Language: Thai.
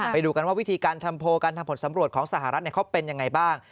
ไปดูกันว่าวิธีการทำโพลการทำผลสำรวจของสหรัฐเขาเป็นยังไงบ้าง